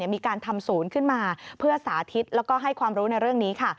มีการทำศูนย์ขึ้นมาเพื่อสาธิตแล้วก็ให้ความรู้ในเรื่องนี้ค่ะ